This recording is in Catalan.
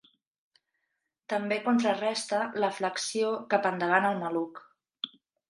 També contraresta la flexió cap endavant al maluc.